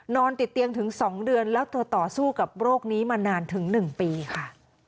นอนติดเตียงถึง๒เดือนแล้วเธอต่อสู้กับโรคนี้มานานถึง๑ปีค่ะ